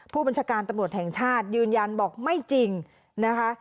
ผู้บัญชาการตำรวจแห่งชาติยืนยันบอกไม่จริงนะคะ